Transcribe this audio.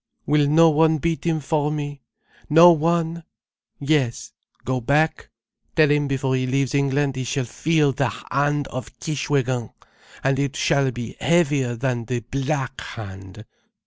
Will no one beat him for me, no one? Yes. Go back. Tell him before he leaves England he shall feel the hand of Kishwégin, and it shall be heavier than the Black Hand.